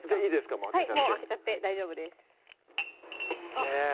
もう開けちゃって開けちゃって大丈夫ですＯＫ！